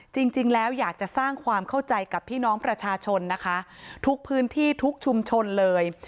จริงแล้วอยากจะสร้างความเข้าใจกับพี่น้องประชาชนนะคะทุกพื้นที่ทุกชุมชนเลย